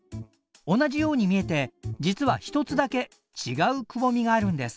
同じように見えて実は一つだけ違うくぼみがあるんです。